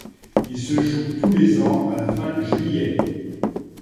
Il se joue tous les ans à la fin juillet.